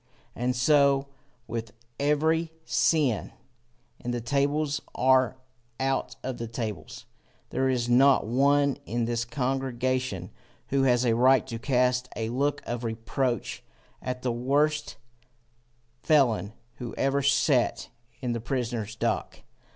And so with every sin in the tables or out of the tables. There is not one in this congregation who has a right to cast a look of reproach at the worst felon who ever sat in the prisoners' dock.